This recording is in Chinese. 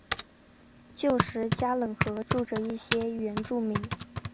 旧时加冷河住着一些原住民。